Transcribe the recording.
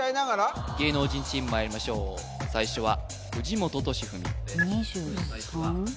芸能人チームまいりましょう最初は藤本敏史です２３？